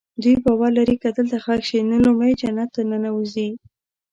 دوی باور لري که دلته ښخ شي نو لومړی جنت ته ننوځي.